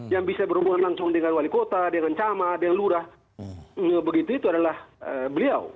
yang bisa berhubungan langsung dengan wali kota dengan camat dengan lurah begitu itu adalah beliau